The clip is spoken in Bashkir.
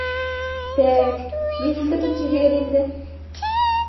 Тә-әк, мин үлтерҙем тиһегеҙ инде.